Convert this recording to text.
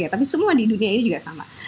tapi semua di dunia ini juga sama